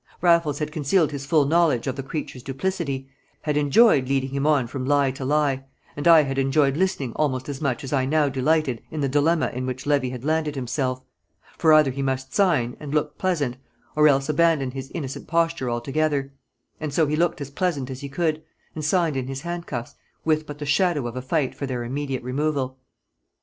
Raffles had concealed his full knowledge of the creature's duplicity, had enjoyed leading him on from lie to lie, and I had enjoyed listening almost as much as I now delighted in the dilemma in which Levy had landed himself; for either he must sign and look pleasant, or else abandon his innocent posture altogether; and so he looked as pleasant as he could, and signed in his handcuffs, with but the shadow of a fight for their immediate removal.